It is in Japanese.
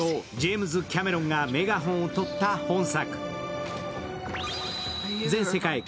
巨匠ジェームズ・キャメロンがメガホンを取った本作。